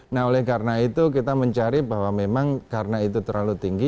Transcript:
nah oleh karena itu kita mencari bahwa memang karena itu terlalu tinggi